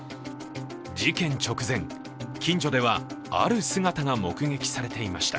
事件直前、近所ではある姿が目撃されていました。